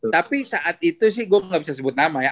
tapi saat itu sih gue gak bisa sebut nama ya